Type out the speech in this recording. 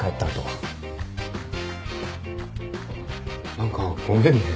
何かごめんね。